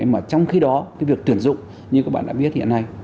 mà trong khi đó cái việc tuyển dụng như các bạn đã biết hiện nay